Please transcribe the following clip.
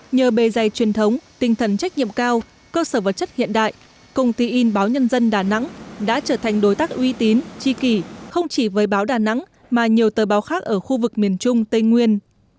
nhờ bề dày truyền thống tinh thần trách nhiệm cao cơ sở vật chất hiện đại công ty in báo nhân dân đà nẵng đã trở thành đối tác uy tín chi kỷ không chỉ với báo đà nẵng mà nhiều tờ báo khác ở khu vực miền trung tây nguyên